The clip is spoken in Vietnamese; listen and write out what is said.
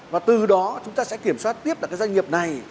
và từ đó chúng ta sẽ kiểm soát tiếp là cái doanh nghiệp này